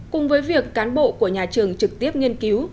cùng với việc cán bộ của nhà trường trực tiếp nghiên cứu